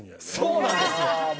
そうなんですよ。